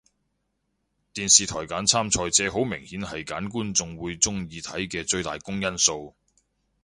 電視台揀參賽者好明顯係揀觀眾會鍾意睇嘅最大公因數